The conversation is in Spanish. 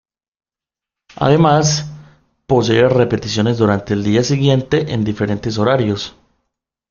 Además, posee repeticiones durante el día siguiente en diferentes horarios.